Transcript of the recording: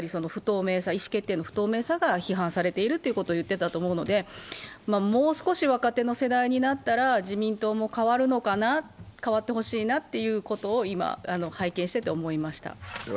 意思決定の不透明さが批判されているということを言っていたと思うのでもう少し若手の世代になったら、自民党も変わるのかな変わって欲しいなということを今、拝見していて思いました。